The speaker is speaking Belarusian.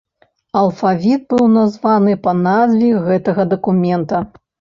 Алфавіт быў названы па назве гэтага дакумента.